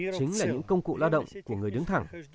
chính là những công cụ lao động của người đứng thẳng